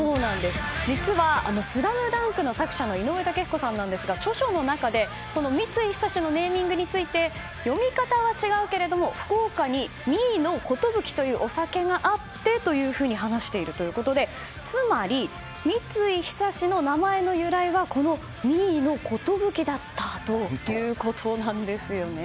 実は「ＳＬＡＭＤＵＮＫ」の作者の井上雄彦さんですが著書の中で三井寿のネーミングについて読み方は違うけど福岡に三井の寿というお酒があってというふうに話しているということでつまり、三井寿の名前の由来はこの三井の寿だったということなんです。